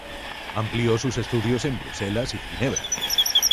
Amplió sus estudios en Bruselas y Ginebra.